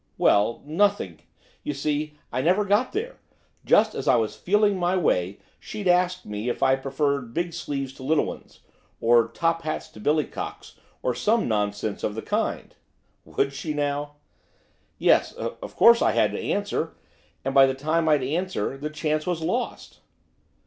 'Well, nothing, you see, I never got there. Just as I was feeling my way, she'd ask me if I preferred big sleeves to little ones, or top hats to billycocks, or some nonsense of the kind.' 'Would she now?' 'Yes, of course I had to answer, and by the time I'd answered the chance was lost.